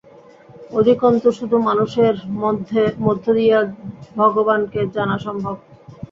অধিকন্তু শুধু মানুষের মধ্য দিয়াই ভগবানকে জানা সম্ভব।